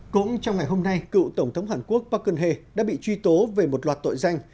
cũng trong ngày hôm nay cựu tổng thống hàn quốc park geun hye đã bị truy tố về một loạt tội danh